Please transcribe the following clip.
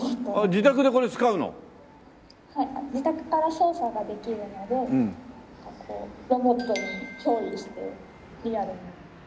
「自宅から操作ができるのでこうロボットに憑依してリアルに」